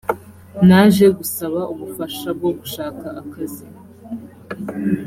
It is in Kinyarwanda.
naje gusaba ubufasha bwo gushaka akazi